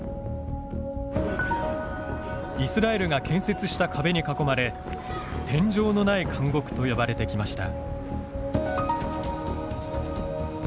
イスラエルが建設した壁に囲まれ天井のない監獄と呼ばれてきました。